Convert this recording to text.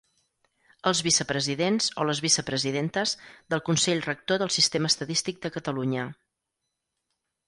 Els vicepresidents o les vicepresidentes del Consell Rector del Sistema estadístic de Catalunya.